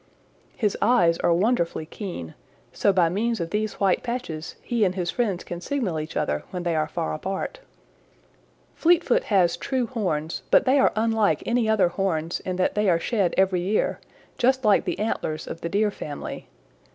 His eyes are wonderfully keen, so by means of these white patches he and his friends can signal each other when they are far apart. "Fleetfoot has true horns, but they are unlike any other horns in that they are shed every year, just like the antlers of the Deer family.